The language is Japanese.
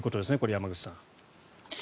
山口さん。